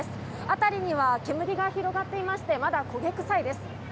あたりには煙が広がっていましてまだ焦げ臭いです。